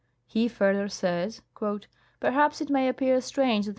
He further says :" Perhaps it may appear strange that M.